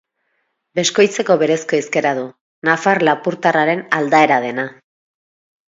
Beskoitzeko berezko hizkera du, nafar-lapurtarraren aldaera dena.